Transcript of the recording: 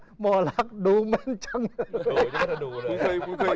หมอรักษ์ดูมันที่ท่านดู